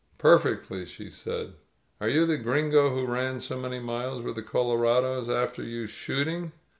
"Perfectly," she said. "Are you the Gringo who ran so many miles with the colorados after you shooting?"